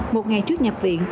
một ngày trước nhập viện